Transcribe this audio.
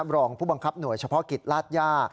รองผู้บังคับหน่วยเฉพาะกิจลาดย่า